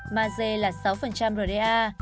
mage là sáu rda